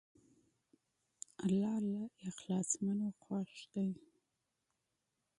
الله له مخلصانو خوښ دی.